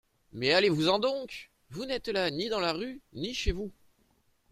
Mais allez-vous-en donc… vous n’êtes là ni dans la rue, ni chez vous.